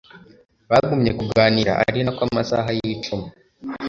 Bagumye kuganira arinako amasaha yicuma